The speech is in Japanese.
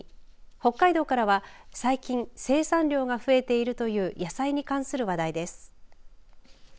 北海道からは最近、生産量が増えているという野菜に関する話題です。